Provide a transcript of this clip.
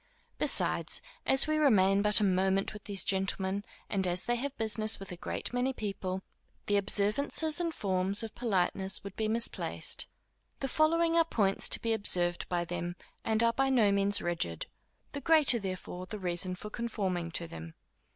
Besides, as we remain but a moment with these gentlemen, and as they have business with a great many people, the observances and forms of politeness would be misplaced. The following are points to be observed by them, and are by no means rigid; the greater therefore the reason for conforming to them.